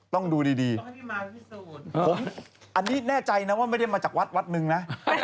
ต้องดูดีผมอันนี้แน่ใจนะว่าไม่ได้มาจากวัดวัดหนึ่งนะ